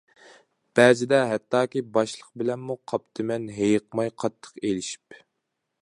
بەزىدە ھەتتاكى باشلىق بىلەنمۇ قاپتىمەن ھېيىقماي قاتتىق ئېلىشىپ.